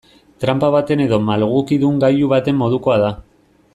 Tranpa baten edo malgukidun gailu baten modukoa da.